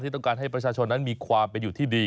ต้องการให้ประชาชนนั้นมีความเป็นอยู่ที่ดี